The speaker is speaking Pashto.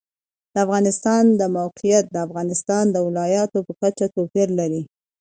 د افغانستان د موقعیت د افغانستان د ولایاتو په کچه توپیر لري.